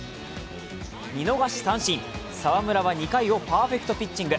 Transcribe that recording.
見逃し三振、澤村は２回をパーフェクトピッチング。